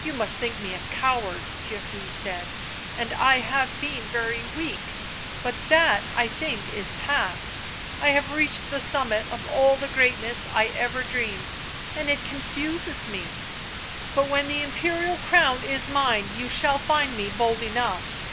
"You must think me a coward," Their ry said, " and I have been very weak — but that, I think, is passed; I have reached the summit of all the greatness I ever dreamed and it confuses me, but when the Imperial crown is mine you shall find me bold enough."